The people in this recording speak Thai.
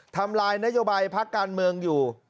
ทำลายนโยบายพักการเมืองอยู่